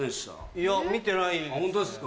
いや見てないですね。